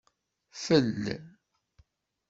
Fel